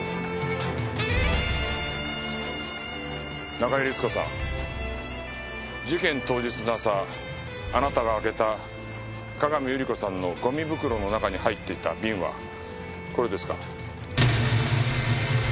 中井律子さん事件当日の朝あなたが開けた各務百合子さんのゴミ袋の中に入っていた瓶はこれですか？